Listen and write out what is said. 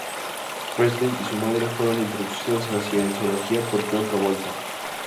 Presley y su madre, fueron introducidas en la Cienciología por John Travolta.